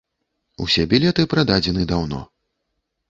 Усе білеты прададзены даўно.